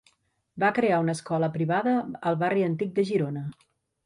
Va crear una escola privada al barri antic de Girona.